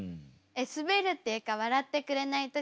えっスベるっていうか笑ってくれない時は？